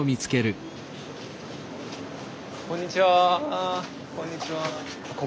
あこんにちは。